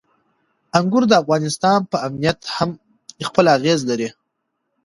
انګور د افغانستان په امنیت هم خپل اغېز لري.